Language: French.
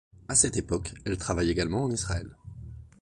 À cette époque, elle travaille également en Israël.